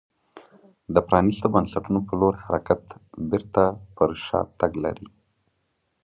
د پرانیستو بنسټونو په لور حرکت بېرته پر شا تګ لري.